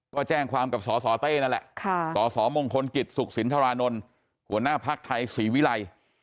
ก็แจ้งความกับสสเต้นั่นแหละสสมงคลกิจสุขสินทรานนท์หัวหน้าภักดิ์ไทยศรีวิรัย